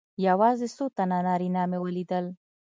یوازې څو تنه نارینه مې ولیدل.